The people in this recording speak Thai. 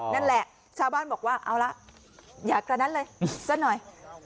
นั่นแหละชาวบ้านบอกว่าเอาละอยากกระนั้นเลยซะหน่อย